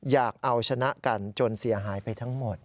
อยากเอาชนะกันจนเสียหายไปทั้งหมด